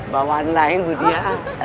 bawaan lain bu dia